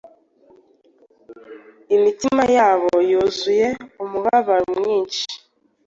imitima yabo yuzuye umubabaro mwinshi.